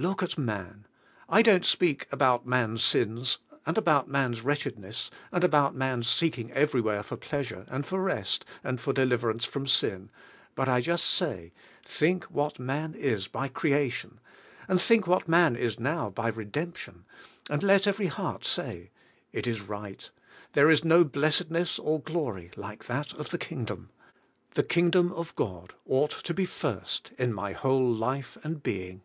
Look at man. I don't speak about man's sins, and about man's wretchedness, and about man's seeking everywhere for pleasure, and for rest, and for deliverance from sin, but I just say: Think what man is by creation and think what man is now by redemption ; and let every heart say: "It is right. There is no blessedness or glory like that of the Kingdom. The Kingdom of God ought to be first in my whole life and being."